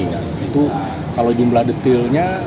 itu kalau jumlah detilnya